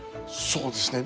そうですね。